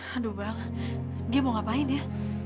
aduh bang dia mau ngapain ya